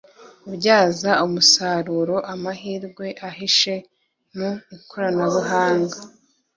kubyaza umusaruro amahirwe ahishe mu ikoranabuhanga